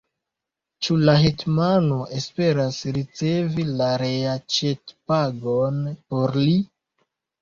Ĉu la hetmano esperas ricevi reaĉetpagon por li?